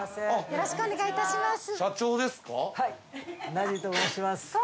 よろしくお願いします。